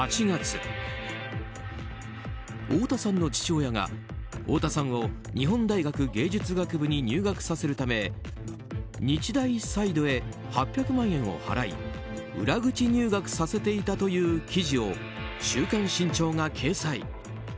太田さんの父親が太田さんを日本大学芸術学部に入学させるため日大サイドへ８００万円を払い裏口入学させていたという記事を「週刊新潮」が掲載。